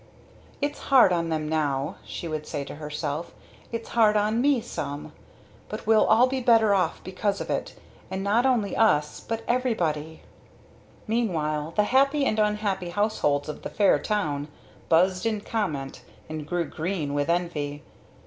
"It's hard on them now," she would say to herself. "Its hard on me some. But we'll all be better off because of it, and not only us but everybody!" Meanwhile the happy and unhappy households of the fair town buzzed in comment and grew green with envy.